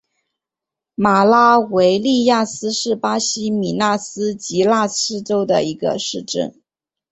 马拉维利亚斯是巴西米纳斯吉拉斯州的一个市镇。